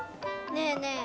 ねえねえ